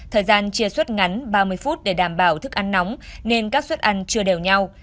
thời gian chia suất ngắn ba mươi phút để đảm bảo thức ăn nóng nên các suất ăn chưa đều nhau